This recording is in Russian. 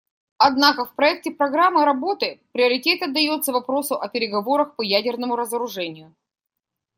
Однако в проекте программы работы приоритет отдается вопросу о переговорах по ядерному разоружению.